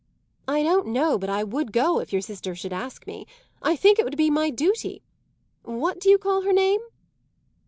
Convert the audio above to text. "I don't know but I would go, if your sister should ask me. I think it would be my duty. What do you call her name?"